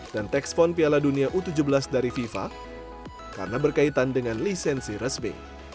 dan tekst fon piala dunia u tujuh belas dari fifa karena berkaitan dengan lisensi resmi